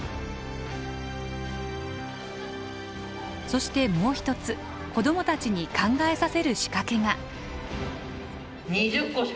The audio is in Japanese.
そしてもう一つ子どもたちに考えさせる仕掛けが。